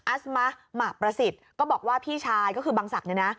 ัสมะหมากประสิทธิ์ก็บอกว่าพี่ชายก็คือบังศักดิ์เนี่ยนะ